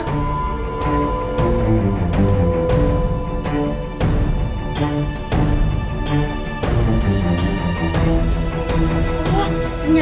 tidak ada yang bisa dipercaya